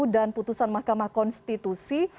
dan putusan mahkamah konstitusi